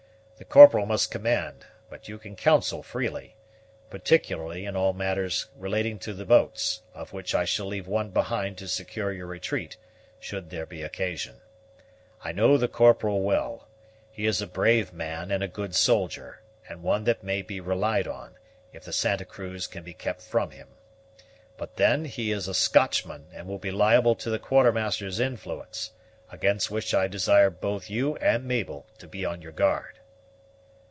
The Corporal must command; but you can counsel freely, particularly in all matters relating to the boats, of which I shall leave one behind to secure your retreat, should there be occasion. I know the Corporal well; he is a brave man and a good soldier; and one that may be relied on, if the Santa Cruz can be kept from him. But then he is a Scotchman, and will be liable to the Quartermaster's influence, against which I desire both you and Mabel to be on your guard."